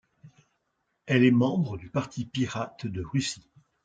Elle est membre du Parti Pirate de Russie.